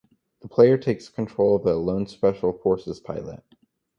The player takes control of a "lone special forces" pilot.